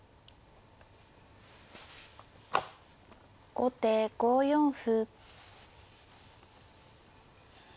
後手５四歩。